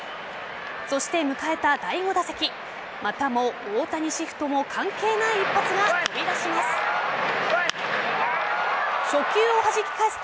そして迎えた第５打席またも、大谷シフトも関係ない一発が飛び出します。